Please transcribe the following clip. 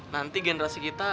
nanti generasi kita